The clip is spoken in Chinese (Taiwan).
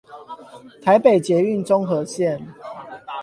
台北捷運中和線